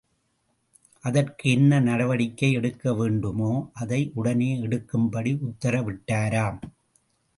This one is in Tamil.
அதற்கு என்ன நடவடிக்கை எடுக்க வேண்டுமோ அதை உடனே எடுக்கும்படி உத்தரவிட்டாராம்.